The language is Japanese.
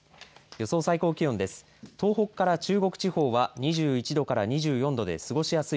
予想最高気温です。